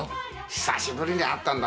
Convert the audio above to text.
久しぶりに会ったんだ。